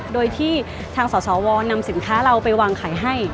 โดยที่ทางสสวนำสินค้าเราไปวางขายให้